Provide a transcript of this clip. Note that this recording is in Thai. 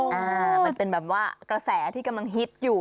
มันเป็นแบบว่ากระแสที่กำลังฮิตอยู่